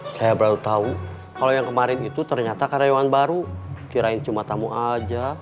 saya baru tahu kalau yang kemarin itu ternyata karyawan baru kirain cuma tamu aja